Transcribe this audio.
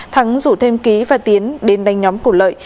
thắng rủ thêm ký và tiến đến đánh nhóm của lợi